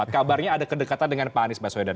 kabarnya ada kedekatan dengan pak anies baswedan